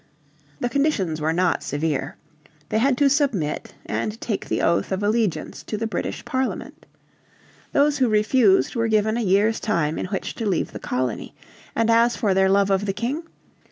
The conditions were not severe. They had to submit, and take the oath of allegiance to the British Parliament. Those who refused were given a year's time in which to leave the colony. And as for their love of the King?